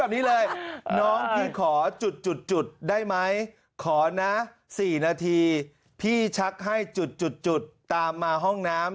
แบบนี้เลยน้องพี่ขอจุดได้ไหมขอนะ๔นาทีพี่ชักให้จุดตามมาห้องน้ำ